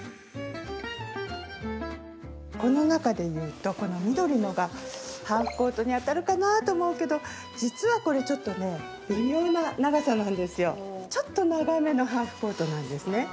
この中でいうとこの緑のがハーフコートにあたるかなと思うけど実は、これちょっと微妙な長さなんですよ。ちょっと長めのハーフコートなんですね。